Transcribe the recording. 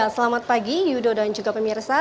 selamat pagi yudo dan juga pemirsa